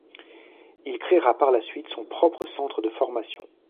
Il créera par la suite son propre centre de formation.